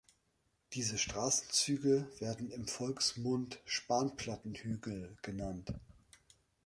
Diese Straßenzüge werden im Volksmund „Spanplatten-Hügel“ genannt.